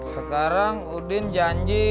sekarang udin janji